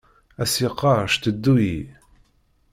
A s-yeqqar "cteddu-yi".